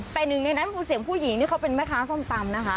แต่หนึ่งในนั้นคือเสียงผู้หญิงที่เขาเป็นแม่ค้าส้มตำนะคะ